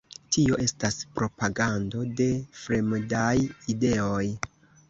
Tio estas propagando de fremdaj ideoj!